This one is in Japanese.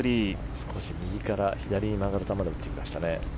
少し右から左に曲がる球で打ってきましたね。